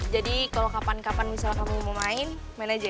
jadi kalau kapan kapan kamu mau main main aja ya